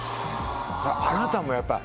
あなたもやっぱり。